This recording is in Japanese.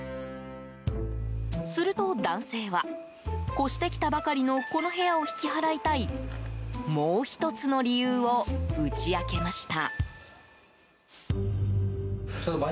すると、男性は越してきたばかりのこの部屋を引き払いたいもう１つの理由を打ち明けました。